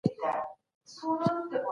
حکومتي بودیجه د پرمختګ لپاره لګول کیده.